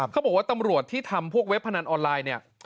เขาบอกว่าตำรวจที่ทำพวกเว็บพนันออนไลน์เนี่ย